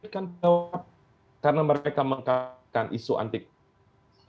karena mereka mengatakan isu anti komisi